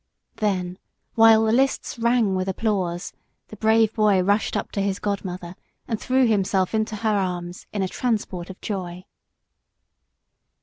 Then, while the lists rang with applause, the brave boy rushed up to his godmother and threw himself into her arms in a transport of joy."